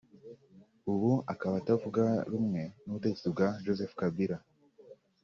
ubu akaba atavuga rumwe n’ubutegetsi bwa Joseph Kabila